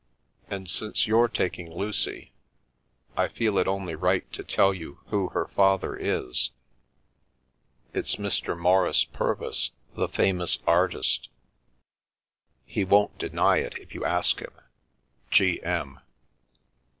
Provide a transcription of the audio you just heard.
And, since you're taking Lucy, I feel it only right to tell you who her father is. It's Mr. Maurice Purvis, the famous artist He won't deny it if you ask him.— G.M."